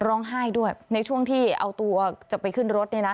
ร้องไห้ด้วยในช่วงที่เอาตัวจะไปขึ้นรถเนี่ยนะ